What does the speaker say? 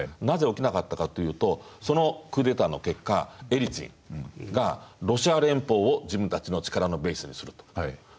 なぜ起きなかったかというとそのクーデターの結果エリツィンがロシア連邦を自分たちの力のベースにすると。